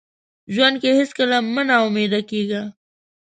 ژوند کې هیڅکله مه ناامیده کیږه.